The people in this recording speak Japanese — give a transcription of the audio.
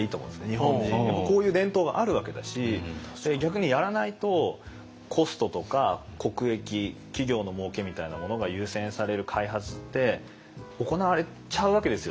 日本もこういう伝統があるわけだし逆にやらないとコストとか国益企業のもうけみたいなものが優先される開発って行われちゃうわけですよ。